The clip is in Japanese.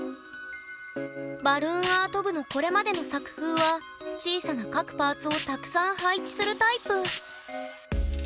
バルーンアート部のこれまでの作風は小さな各パーツをたくさん配置するタイプ。